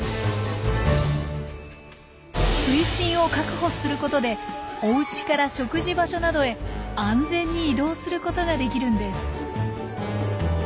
水深を確保することでおうちから食事場所などへ安全に移動することができるんです。